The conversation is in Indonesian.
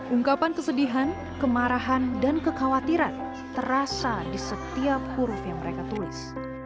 ungkapan kesedihan kemarahan dan kekhawatiran terasa di setiap huruf yang mereka tulis